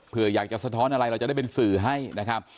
เพื่ออยากจะสะท้อนอะไรเราจะได้เป็นสื่อให้นะครับ